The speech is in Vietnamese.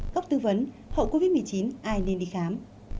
góc tư vấn hậu covid một mươi chín ai nên đi khám